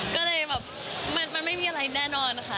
ก็เลยแบบมันไม่มีอะไรแน่นอนค่ะ